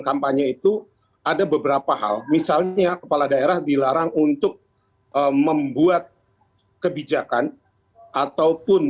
kampanye itu ada beberapa hal misalnya kepala daerah dilarang untuk membuat kebijakan ataupun